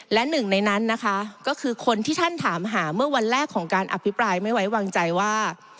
และหนึ่งในนั้นนะคะก็คือคนที่ท่านถามหาเมื่อวันแรกของการอภิปรายไม่ไว้วางใจว่า